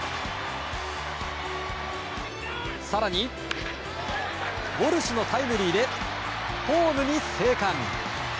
更に、ウォルシュのタイムリーでホームに生還。